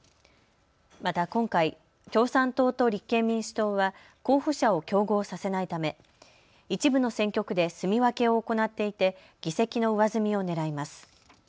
また今回、共産党と立憲民主党は候補者を競合させないため一部の選挙区ですみ分けを行っていて議席の上積みをねらいます。